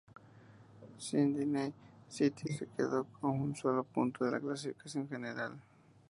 Sydney City se quedó a solo un punto de la clasificación general.